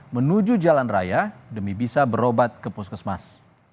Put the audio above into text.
menuju jalan raya demi bisa berobat ke puskesmas